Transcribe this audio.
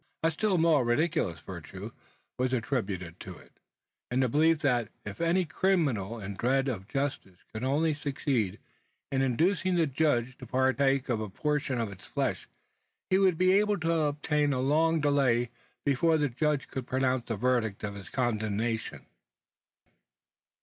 A still more ridiculous virtue was attributed to it: in the belief that, if any criminal in dread of justice could only succeed in inducing the judge to partake of a portion of its flesh, he would be able to obtain a long delay before the judge could pronounce the verdict of his condemnation!